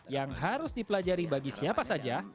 yang harus dipelajari bagi siapa saja